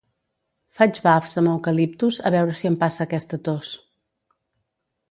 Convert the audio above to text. Faig bafs amb eucaliptus a veure si em passa aquesta tos